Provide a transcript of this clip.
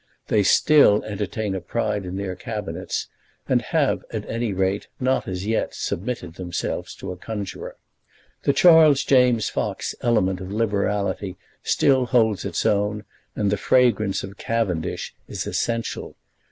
They still entertain a pride in their Cabinets, and have, at any rate, not as yet submitted themselves to a conjuror. The Charles James Fox element of liberality still holds its own, and the fragrance of Cavendish is essential.